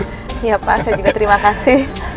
iya pak saya juga terima kasih